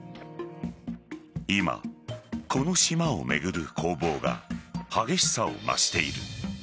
今、この島を巡る攻防が激しさを増している。